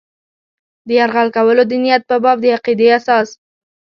د یرغل کولو د نیت په باب د عقیدې اساس.